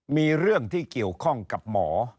มีเรื่องที่เกี่ยวข้องกับหมอ